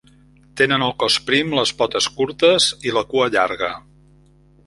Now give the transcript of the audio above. Tenen el cos prim, les potes curtes, i la cua llarga.